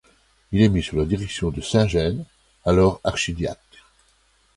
Il est mis sous la direction de saint Genès, alors archidiacre.